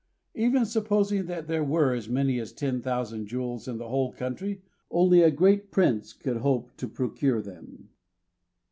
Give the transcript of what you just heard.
Even supposing that there were as many as ten thousand jewels in the whole country, only a great prince could hope to procure them.